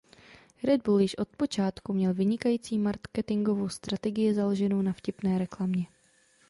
Red Bull již od počátku měl vynikající marketingovou strategii založenou na vtipné reklamě.